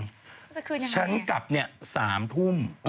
จะคืนยังไงฉันกลับเนี่ย๓ทุ่ม